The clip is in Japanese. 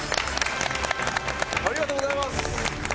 ありがとうございます。